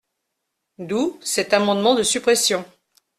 D’où cet amendement de suppression.